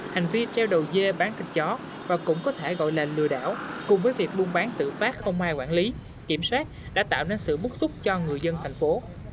hành vi treo đầu dê bán thịt chó và cũng có thể gọi là lừa đảo cùng với việc buôn bán tự phát không ai quản lý kiểm soát đã tạo nên sự bức xúc cho người dân thành phố